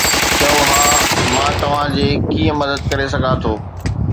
چئو ها، مان توهان جي ڪيئن مدد ڪري سگهان ٿو؟